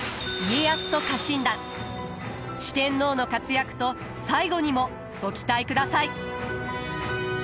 四天王の活躍と最期にもご期待ください。